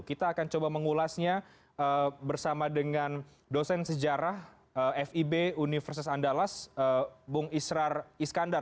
kita akan coba mengulasnya bersama dengan dosen sejarah fib universitas andalas bung israr iskandar